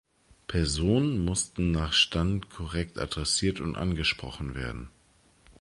Personen mussten nach Stand korrekt adressiert und angesprochen werden.